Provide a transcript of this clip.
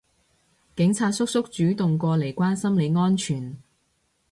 警察叔叔主動過嚟關心你安全